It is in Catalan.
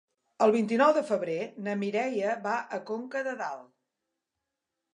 El vint-i-nou de febrer na Mireia va a Conca de Dalt.